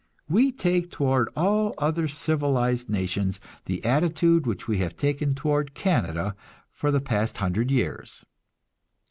We take toward all other civilized nations the attitude which we have taken toward Canada for the past hundred years.